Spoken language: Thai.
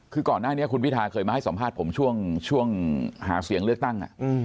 คือก่อนหน้านี้คุณพิทาเคยมาให้สัมภาษณ์ผมช่วงหาเสียงเลือกตั้ง